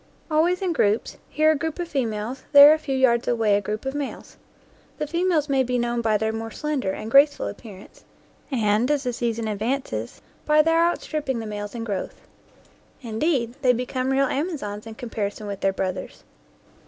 Always in groups, here a group of females, there a few yards away a group of males. The females may be known by their more slender and graceful appearance and, as the season advances, by their outstripping the males in growth. Indeed, they become real amazons in comparison with their brothers.